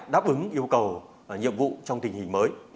đáp ứng yêu cầu nhiệm vụ trong tình hình mới